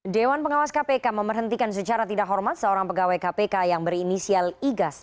dewan pengawas kpk memberhentikan secara tidak hormat seorang pegawai kpk yang berinisial igas